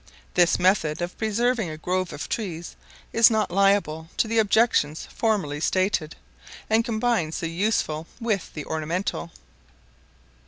This method of preserving a grove of trees is not liable to the objections formerly stated, and combines the useful with the ornamental.